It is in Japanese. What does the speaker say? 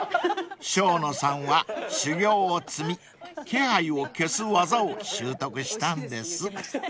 ［生野さんは修業を積み気配を消す技を習得したんです］